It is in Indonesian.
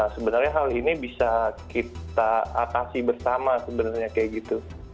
sebenarnya hal ini bisa kita atasi bersama sebenarnya kayak gitu